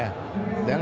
của những người bạn bè